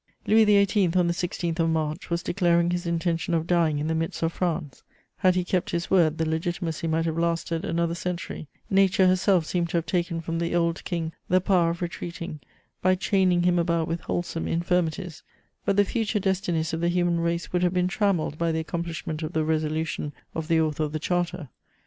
Louis XVIII., on the 16th of March, was declaring his intention of dying in the midst of France; had he kept his word, the Legitimacy might have lasted another century; nature herself seemed to have taken from the old King the power of retreating by chaining him about with wholesome infirmities; but the future destinies of the human race would have been trammelled by the accomplishment of the resolution of the author of the Charter.